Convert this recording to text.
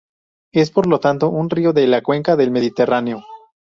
Es, por lo tanto, un río de la Cuenca del Mediterráneo.